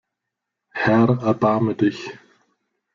Herr, erbarme dich!